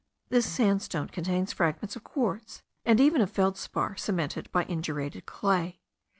This sandstone contains fragments of quartz, and even of feldspar, cemented by indurated clay.